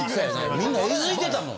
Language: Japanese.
みんなえずいてたもん。